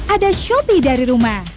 ada shopee dari rumah